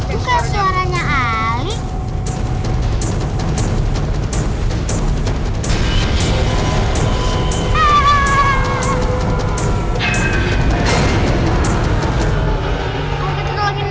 itu suaranya al faqih